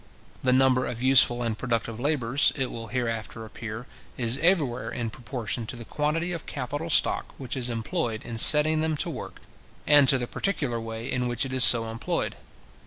The number of useful and productive labourers, it will hereafter appear, is everywhere in proportion to the quantity of capital stock which is employed in setting them to work, and to the particular way in which it is so employed.